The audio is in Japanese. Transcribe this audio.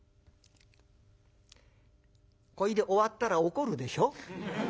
これで終わったら怒るでしょ？